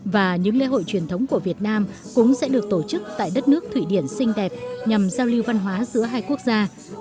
và những lễ hội truyền thống của việt nam cũng sẽ được tổ chức tại đất nước thụy điển xinh đẹp nhằm giao lưu văn hóa giữa hai quốc gia